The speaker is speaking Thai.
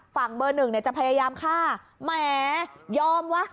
ฝั่งเบอร์หนึ่งเนี่ยจะพยายามฆ่าแหมยอมวะ